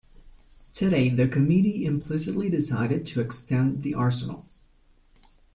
Today the committee implicitly decided to extend the arsenal.